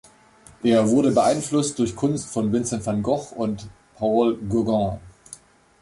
Er wurde beeinflusst durch Kunst von Vincent van Gogh und Paul Gauguin.